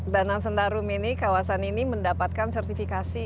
danau sentarum ini kawasan ini mendapatkan sertifikasi